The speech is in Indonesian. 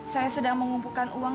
saya sedang mengumpulkan uang